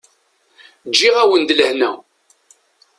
Ǧǧiɣ-awen-d lehna.